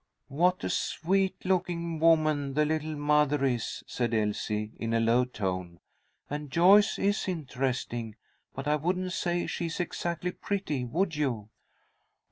"What a sweet looking woman the little mother is," said Elsie, in a low tone, "and Joyce is interesting, but I wouldn't say she is exactly pretty, would you?"